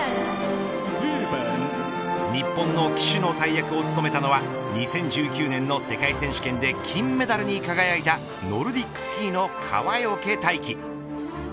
日本の旗手の大役を務めたのは２０１９年の世界選手権で金メダルに輝いたノルディックスキーの川除大輝。